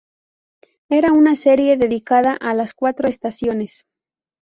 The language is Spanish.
Era una serie dedicada a las cuatro estaciones.